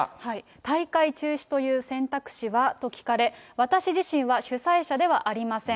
大会中止という選択肢は？と聞かれ、私自身は主催者ではありません。